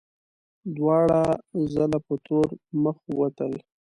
دواړه ځله په تور مخ ووتل.